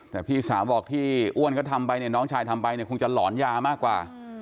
แต่พี่สาวบอกที่อ้วนเขาทำไปเนี่ยน้องชายทำไปเนี่ยคงจะหลอนยามากกว่า